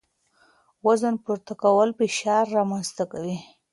وزن پورته کول فشار رامنځ ته کوي.